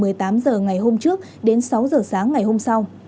không ra đường từ một mươi tám giờ ngày hôm trước đến sáu giờ sáng ngày hôm sau